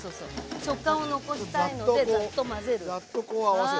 食感を残したいのでざっと混ぜる。